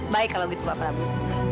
baik kalau gitu pak prabu